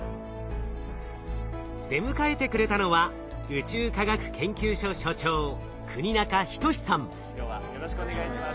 出迎えてくれたのは今日はよろしくお願いします。